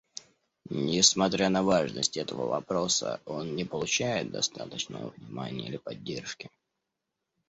Несмотря на важность этого вопроса, он не получает достаточного внимания или поддержки.